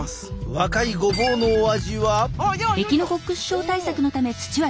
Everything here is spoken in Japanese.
若いごぼうのお味は？え！